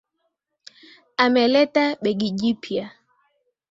Ameleta begi jipya.